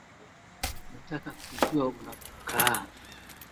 Nataka kujua unapokaa